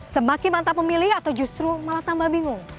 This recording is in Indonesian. semakin mantap memilih atau justru malah tambah bingung